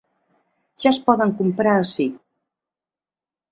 Ja es poden comprar ací.